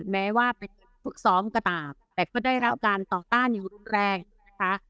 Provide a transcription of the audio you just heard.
แม้ว่าไปฝึกซ้อมกระต่าแต่ก็ได้แล้วการต่อต้านอยู่แรงนะคะ